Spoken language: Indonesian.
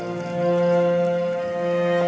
aku tidak ingin berpisah denganmu